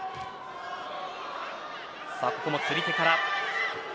ここも釣り手から。